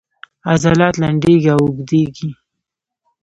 عضلات لنډیږي او اوږدیږي